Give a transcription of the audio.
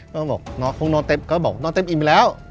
ก็บอกนอนคงนอนเต็มก็บอกนอนเต็มอิ่มไปแล้ว